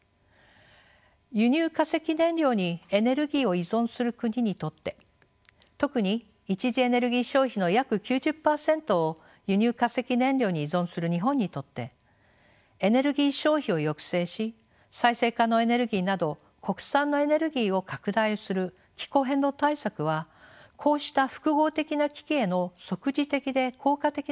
輸入化石燃料にエネルギーを依存する国にとって特に一次エネルギー消費の約９０％を輸入化石燃料に依存する日本にとってエネルギー消費を抑制し再生可能エネルギーなど国産のエネルギーを拡大する気候変動対策はこうした複合的な危機への即時的で効果的な対応でもあります。